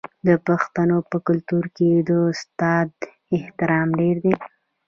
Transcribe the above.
د پښتنو په کلتور کې د استاد احترام ډیر دی.